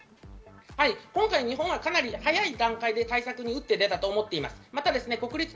今回、日本はかなり早い段階で対策を打って出たと思います。